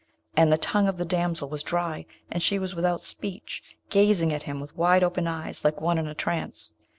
And the tongue of the damsel was dry, and she was without speech, gazing at him with wide open eyes, like one in trance.